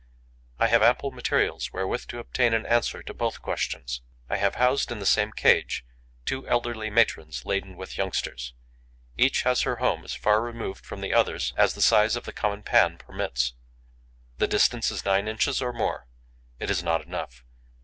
I have ample materials wherewith to obtain an answer to both questions. I have housed in the same cage two elderly matrons laden with youngsters. Each has her home as far removed from the other's as the size of the common pan permits. The distance is nine inches or more. It is not enough.